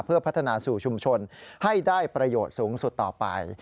เพื่อพัฒนาสู่ชุมชนให้ได้ประโยชน์สูงสุดต่อไป